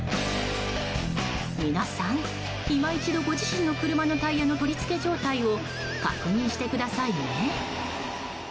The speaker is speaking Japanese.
皆さん、今一度ご自身の車のタイヤの取り付け状態を確認してくださいね。